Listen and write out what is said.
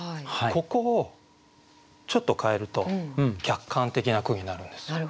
ここをちょっと変えると客観的な句になるんですよ。